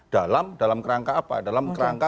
dalam dalam kerangka apa dalam kerangka